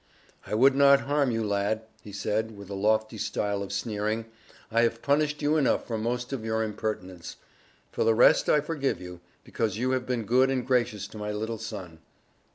"I would not harm you, lad," he said, with a lofty style of sneering: "I have punished you enough for most of your impertinence. For the rest I forgive you, because you have been good and gracious to my little son.